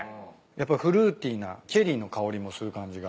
やっぱフルーティーなチェリーの香りもする感じが。